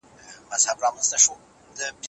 زدهکوونکي په ښوونځي کي د خپلواکۍ احساس کوي.